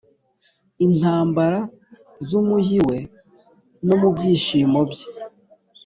intambara z'umujyi we; no mu byishimo bye